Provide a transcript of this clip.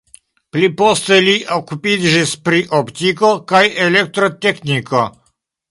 Pli poste li okupiĝis pri optiko kaj elektrotekniko.